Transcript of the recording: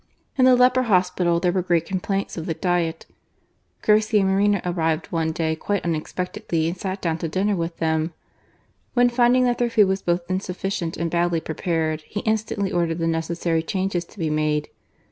In the leper hospital there were great complaints of the diet. Garcia Moreno arrived one day quite unexpectedly and sat down to dinner with them ; when, finding that their food was both insuf ficient and badly prepared, he instantly ordered the necessary changes to be made.